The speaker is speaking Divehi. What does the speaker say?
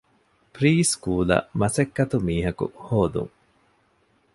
ޕްރީ ސްކޫލަށް މަސައްކަތު މީހަކު ހޯދުން